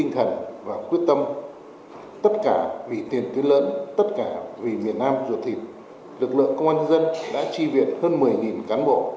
tất cả vì tiền tuyến lớn tất cả vì biển nam ruột thịt lực lượng công an nhân dân đã tri viện hơn một mươi cán bộ